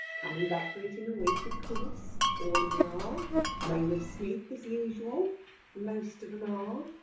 "Coming back for it in a week, of course! All of 'em are. Name of Smith, as usual! Most of 'em are."